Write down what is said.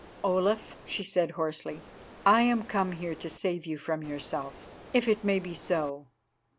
"Olaf," she said hoarsely, "I am come here to save you from yourself, if it may be so.